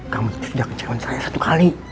kamu sudah kecewaan saya satu kali